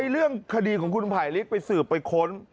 เรื่องคดีของคุณไผลลิกไปสืบไปค้น